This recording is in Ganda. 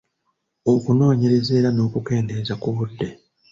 Okunoonyereza era n’okukendeeza ku budde.